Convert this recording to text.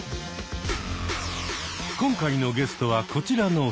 今回のゲストはこちらの２人。